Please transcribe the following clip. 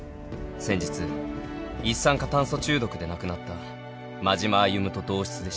先日一酸化炭素中毒で亡くなった真島歩と同室でした。